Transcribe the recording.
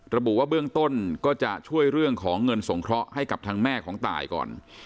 ระบุว่าเบื้องต้นก็จะช่วยเรื่องของเงินสงเคราะห์ให้กับทางแม่ของตายก่อน